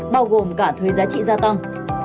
bao gồm cả thuế giá trị gia tăng